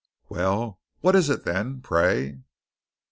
"Well, what is it then, pray?"